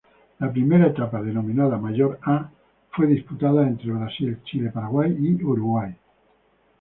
La primera etapa denominada "Mayor A", fue disputada entre Brasil, Chile, Paraguay y Uruguay.